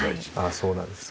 そうなんです。